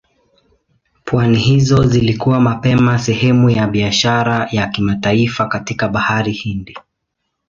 Pwani hizo zilikuwa mapema sehemu ya biashara ya kimataifa katika Bahari Hindi.